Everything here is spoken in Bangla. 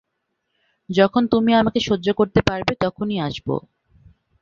যখন তুমি আমাকে সহ্য করতে পারবে তখনই আসব।